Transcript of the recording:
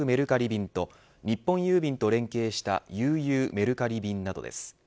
便と日本郵便と連携したゆうゆうメルカリ便などです。